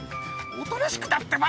おとなしくだってば！